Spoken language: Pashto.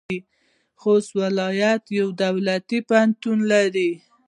خوست ولایت یو دولتي پوهنتون لري.